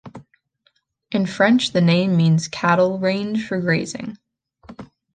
In French the name means a cattle range for grazing.